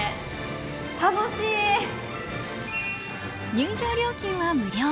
入場料金は無料。